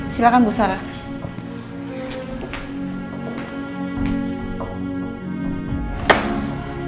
silahkan bu sarah